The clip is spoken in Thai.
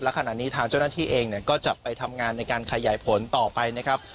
และขณะนี้ทางเจ้าหน้าที่เองก็จะไปทำงานในการไข่ใหญ่ผลต่อไปนะครับ